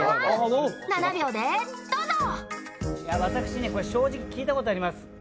私ね、正直、聞いたことあります。